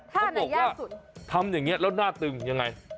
เขาบอกว่าทำอย่างนี้แล้วหน้าตึงยังไง